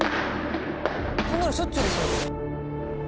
こんなのしょっちゅうですよ。